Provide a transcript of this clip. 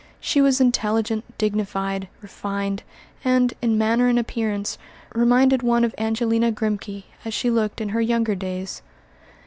She was intelligent, dignified, refined, and, in manner and appearance, reminded one of Angelina Grimké as she looked in her younger days.